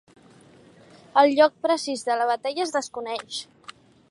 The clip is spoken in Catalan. El lloc precís de la batalla es desconeix.